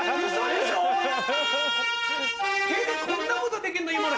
屁でこんなことできんの？